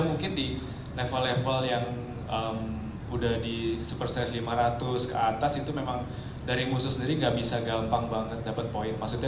mungkin di level level yang udah di superstar lima ratus ke atas itu memang dari musuh sendiri nggak bisa